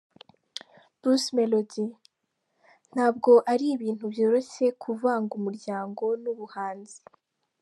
Bruce Melody: Ntabwo ari ibintu byoroshye kuvanga umuryango n’ubuhanzi.